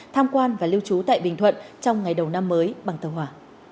tham quan và lưu trú tại bình thuận trong ngày đầu năm mới bằng tàu hỏa